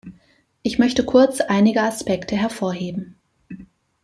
Ich möchte kurz einige Aspekte hervorheben.